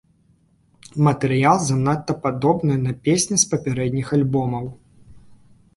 Матэрыял занадта падобны на песні з папярэдніх альбомаў.